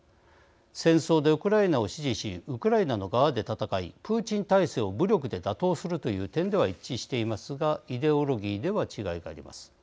戦争でウクライナを支持しウクライナの側で戦いプーチン体制を武力で打倒するという点では一致していますがイデオロギーでは違いがあります。